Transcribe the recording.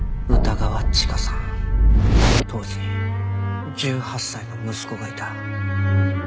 当時１８歳の息子がいた。